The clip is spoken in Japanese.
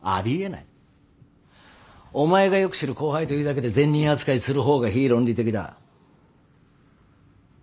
お前がよく知る後輩というだけで善人扱いする方が非論理的だ。